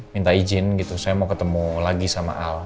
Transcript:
minta izin gitu saya mau ketemu lagi sama al